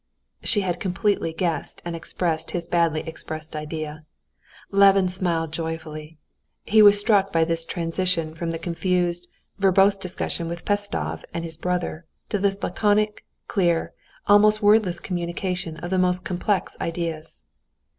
She had completely guessed and expressed his badly expressed idea. Levin smiled joyfully; he was struck by this transition from the confused, verbose discussion with Pestsov and his brother to this laconic, clear, almost wordless communication of the most complex ideas.